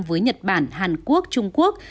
với nhật bản hàn quốc trung quốc